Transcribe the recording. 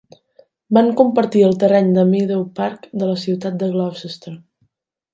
Van compartir el terreny de Meadow Parc de la ciutat de Gloucester.